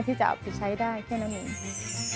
ที่จะเอาไปใช้ได้เท่านั้นอีก